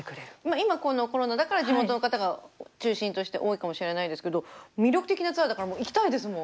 今このコロナだから地元の方が中心として多いかもしれないですけど魅力的なツアーだから行きたいですもん。